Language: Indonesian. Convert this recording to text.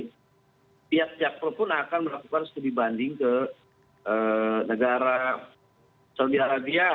jadi pihak pihak pro pun akan melakukan studi banding ke negara sel biara dia